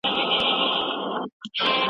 دغه يو ځای دی چې پرې کيږی د يدنونه